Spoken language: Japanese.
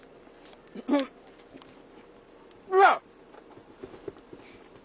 うわっ！